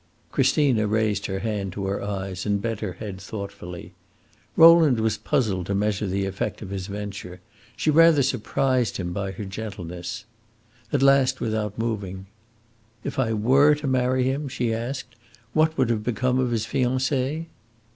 Christina raised her hand to her eyes, and bent her head thoughtfully. Rowland was puzzled to measure the effect of his venture; she rather surprised him by her gentleness. At last, without moving, "If I were to marry him," she asked, "what would have become of his fiancee?"